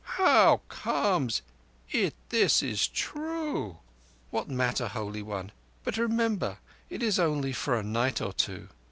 How comes it this is true?" "What matter, Holy One?—but remember it is only for a night or two.